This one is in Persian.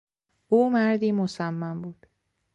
او مردی مصمم بود.